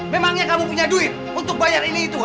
memangnya kamu punya duit untuk bayar ini itu